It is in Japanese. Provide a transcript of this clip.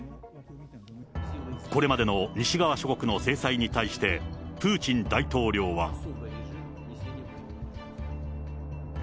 これまでの西側諸国の制裁に対して、プーチン大統領は。